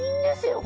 これ。